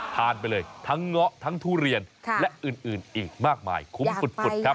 ทานไปเลยทั้งเงาะทั้งทุเรียนค่ะและอื่นอื่นอีกมากมายคุ้มฝุ่นฝุ่นครับ